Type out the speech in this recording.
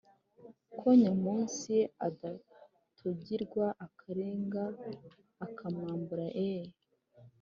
ko nya munsi adatugirwa akarenga akamwambura eee